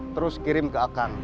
terus kirim ke akang